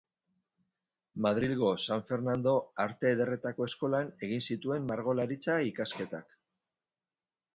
Madrilgo San Fernando Arte Ederretako eskolan egin zituen margolaritza ikasketak.